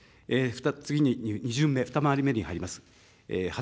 次に２巡目、２回り目に入ります。